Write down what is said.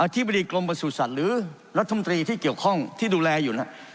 อธิบดีกรมประสูจน์สัตว์หรือรัฐมนตรีที่เกี่ยวข้องที่ดูแลอยู่นะครับ